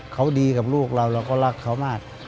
เขาดีกับลูกเราเราก็รักเขามาก